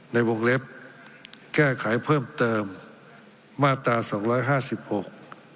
ในวงเล็บแก้ไขเพิ่มเติมมาตราสองร้อยห้าสิบหก